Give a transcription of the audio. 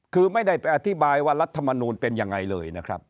คือไม่ได้ไปอธิบายว่ารัฐมนูลเป็นยังไงเลยนะครับ